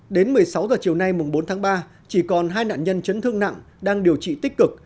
đến một mươi sáu h chiều nay bốn tháng ba chỉ còn hai nạn nhân chấn thương nặng đang điều trị tích cực